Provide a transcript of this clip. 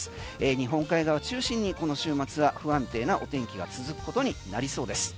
日本海側を中心にこの週末は不安定なお天気が続くことになりそうです。